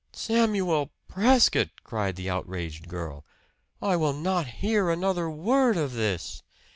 "Samuel Prescott!" cried the outraged girl. "I will not hear another word of this!"